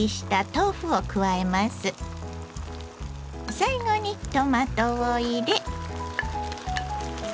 最後にトマトを入れ。